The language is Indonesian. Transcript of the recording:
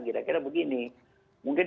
kira kira begini mungkin